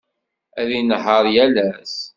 Ad inehheṛ yal ass.